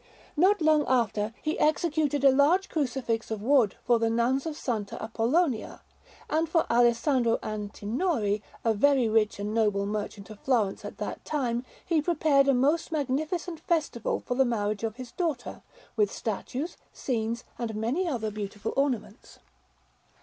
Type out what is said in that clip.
Not long after, he executed a large Crucifix of wood for the Nuns of S. Apollonia; and for Alessandro Antinori, a very rich and noble merchant of Florence at that time, he prepared a most magnificent festival for the marriage of his daughter, with statues, scenes, and many other most beautiful ornaments.